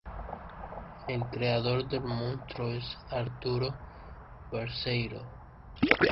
El creador del monstruo es Arturo Balseiro.